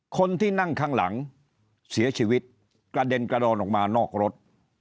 คนที่นั่งข้างหลังเสียชีวิตกระเด็นกระดอนออกมานอกรถ